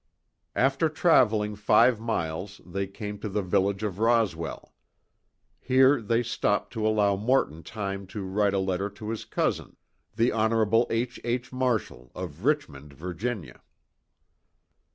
After traveling five miles they came to the little village of Roswell. Here they stopped to allow Morton time to write a letter to his cousin, the Hon. H. H. Marshall, of Richmond, Virginia.